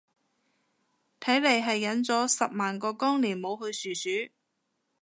睇嚟係忍咗十萬個光年冇去殊殊